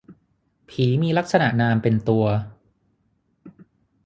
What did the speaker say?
ผีมีลักษณะนามเป็นตัว